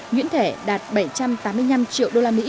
nguyễn thẻ đạt bảy trăm tám mươi năm triệu usd